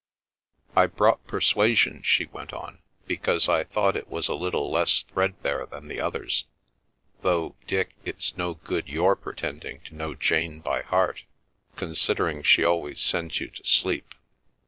"I brought Persuasion," she went on, "because I thought it was a little less threadbare than the others—though, Dick, it's no good your pretending to know Jane by heart, considering that she always sends you to sleep!"